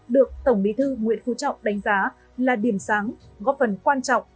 được tổng bí thư nguyễn phú trọng đánh giá là điểm sáng góp phần quan trọng